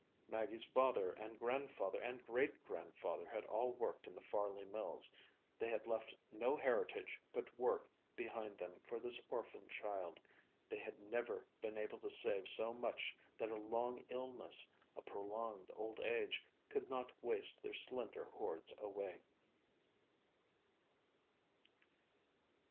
Maggie's father and grandfather and great grandfather had all worked in the Farley mills; they had left no heritage but work behind them for this orphan child; they had never been able to save so much that a long illness, a prolonged old age, could not waste their slender hoards away.